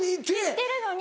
行ってるのに。